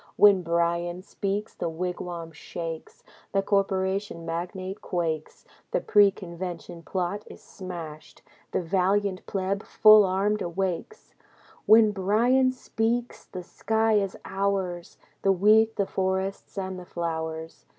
When Bryan speaks, the wigwam shakes. The corporation magnate quakes. The pre convention plot is smashed. The valiant pleb full armed awakes. When Bryan speaks, the sky is ours, The wheat, the forests, and the flowers.